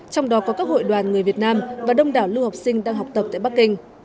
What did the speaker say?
trong đó có các hội đoàn người việt nam và đông đảo lưu học sinh đang học tập tại bắc kinh